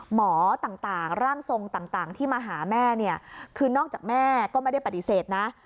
หมอต่างร่างทรงต่างที่มาหาแม่เนี่ยคือนอกจากแม่ก็ไม่ได้ปฏิเสธนะ